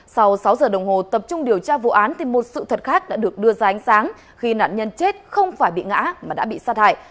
sau sáu giờ đồng hồ tập trung điều tra vụ án thì một sự thật khác đã được đưa ra ánh sáng khi nạn nhân chết không phải bị ngã mà đã bị sát hại